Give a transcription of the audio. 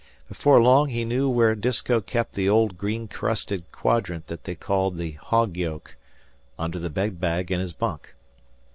Before long he knew where Disko kept the old greencrusted quadrant that they called the "hog yoke" under the bed bag in his bunk.